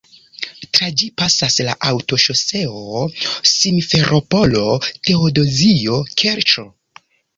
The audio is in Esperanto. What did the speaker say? Tra ĝi pasas la aŭtoŝoseo Simferopolo-Teodozio-Kerĉo.